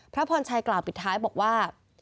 พระพรชัยกล่าวปิดท้ายบอกว่า